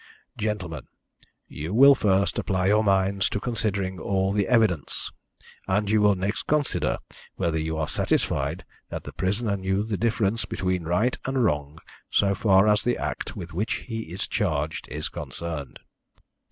"Gentlemen, you will first apply your minds to considering all the evidence, and you will next consider whether you are satisfied that the prisoner knew the difference between right and wrong so far as the act with which he is charged is concerned.